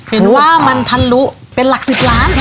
เห็นว่ามันทะลุเป็นหลัก๑๐ล้าน